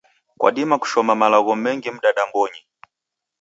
Kwadima kushoma malagho mengi mdadambonyi